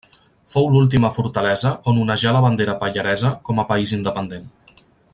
Fou l'última fortalesa on onejà la bandera pallaresa com a país independent.